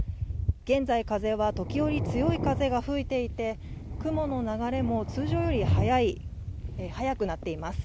現在、時折強い風が吹いていて雲の流れも通常より、速くなっています。